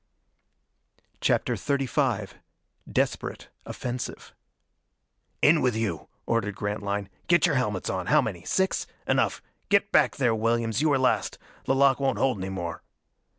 CHAPTER XXXV Desperate Offensive "In with you!" ordered Grantline. "Get your helmets on! How many? Six? Enough get back there, Williams you were last. The lock won't hold any more."